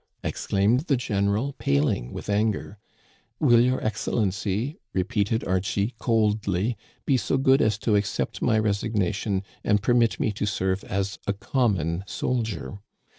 exclaimed the general, paling with anger. "* Will Your Excellency,' repeated Archie coldly, * be so good as to accept my resignation, and permit me to serve as a common soldier